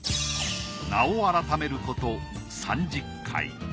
名を改めること３０回。